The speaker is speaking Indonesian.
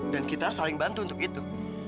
dan kita harus saling bantu untuk itu